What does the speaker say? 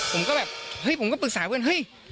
ผมก็แบบเฮ้ยผมก็ปรึกษาเพื่อนเฮ้ย